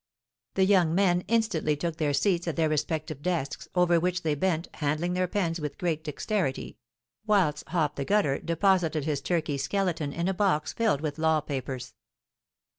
The young men instantly took their seats at their respective desks, over which they bent, handling their pens with great dexterity; whilst Hop the Gutter deposited his turkey's skeleton in a box filled with law papers.